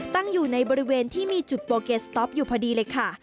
ตั้งอยู่ในบริเวณที่มีจุดโปเกสต๊อปอยู่พอดีเลยค่ะ